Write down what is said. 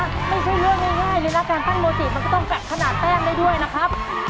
ถ้าไม่ใช่เรื่องง่ายเลยนะการปั้นโมจิมันก็ต้องกัดขนาดแป้งได้ด้วยนะครับ